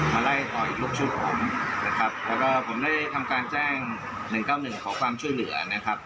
มาไล่ต่ออีกลูกชุดผมและผมได้ทำการแจ้ง๑๙๑ขอความช่วยเหลือ